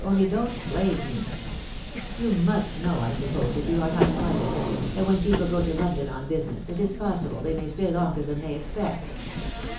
only don't plague me You must know, I suppose, if you are not quite an idiot, that when people go to London on business, it is possible they may stay longer than they expect."